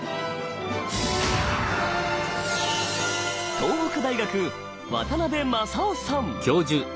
東北大学渡辺正夫さん。